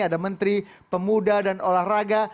ada menteri pemuda dan olahraga